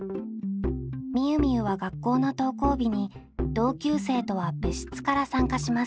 みゆみゆは学校の登校日に同級生とは別室から参加します。